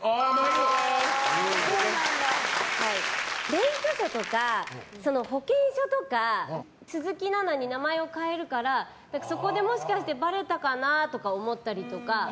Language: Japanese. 免許証とか保険証とか鈴木奈々に名前を変えるからそこでもしかしてバレたかなとか思ったりとか。